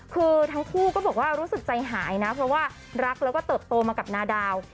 คือทั้งคู่ก็บอกว่ารู้สึกใจหายนะเพราะว่ารักแล้วก็เติบโตมากับนาดาว